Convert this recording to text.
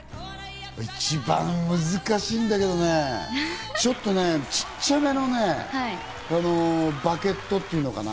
一番は難しいんだけどね、ちょっとちっちゃめのね、バゲットっていうのかな？